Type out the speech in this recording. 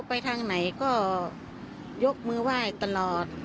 ไปทางไหนก็ยกมือไหว้ตลอด